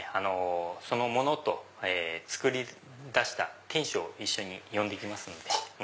そのものと作り出した店主を一緒に呼んできますので。